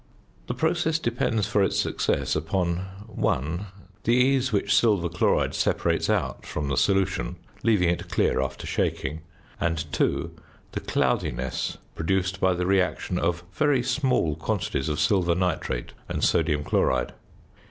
The process depends for its success upon, (1) the ease which silver chloride separates out from the solution leaving it clear after shaking, and, (2), the cloudiness produced by the reaction of very small quantities of silver nitrate and sodium chloride.